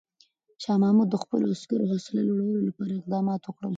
شاه محمود د خپلو عسکرو حوصله لوړولو لپاره اقدامات وکړل.